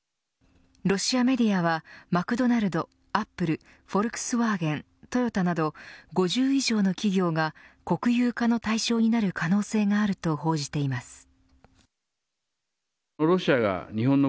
ロシアメディアはマクドナルド、アップルフォルクスワーゲントヨタなど５０以上の企業が国有化の対象になる可能性があると報じています。